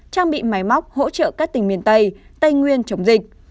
trang bị máy móc hỗ trợ các tỉnh miền tây tây nguyên chống dịch